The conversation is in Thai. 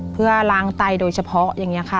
เพื่อล้างไตโดยเฉพาะอย่างนี้ค่ะ